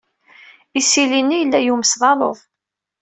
Isili-nni yella yumes d aluḍ.